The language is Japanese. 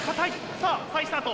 さぁ再スタート。